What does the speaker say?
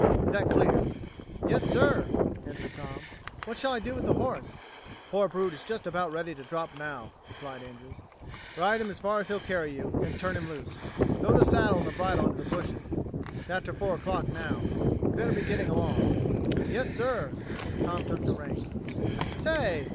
Is that clear?" "Yes, sir," answered Tom. "What shall I do with the horse?" "The poor brute is just about ready to drop now," replied Andrews. "Ride him as far as he'll carry you, then turn him loose. Throw the saddle and bridle into the bushes. It's after four o'clock now. You'd better be getting along." "Yes, sir." Tom took the reins. "Say!"